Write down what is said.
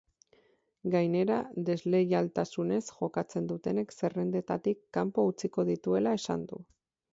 Gainera, desleialtasunez jokatzen dutenek zerrendetatik kanpo utziko dituela esan du.